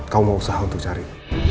kamu mau usaha untuk cari